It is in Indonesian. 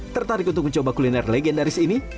tertarik untuk mencoba kuliner legendaris ini